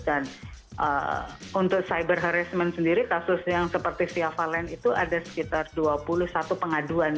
dan untuk cyber harassment sendiri kasus yang seperti si avalen itu ada sekitar dua puluh satu pengaduan